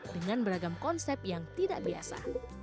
dengan beragam konsep yang tidak biasa